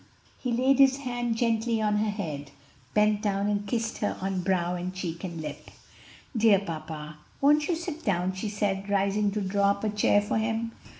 He laid his hand gently on her head, bent down and kissed her on brow and cheek and lip. "Dear papa, won't you sit down?" she said, rising to draw up a chair for him.